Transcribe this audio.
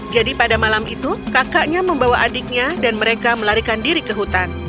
jadi pada malam itu kakaknya membawa adiknya dan mereka melarikan diri ke hutan